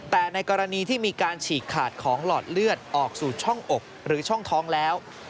แต่ในกรณีที่มีการฉีกขาดของหลอดเลือดออกสู่ช่องอกหรือช่องท้องแล้ว